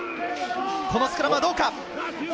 このスクラムはどうか？